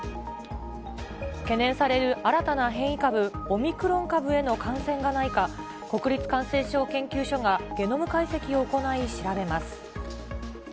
懸念される新たな変異株、オミクロン株への感染がないか、国立感染症研究所がゲノム解析を行い、調べます。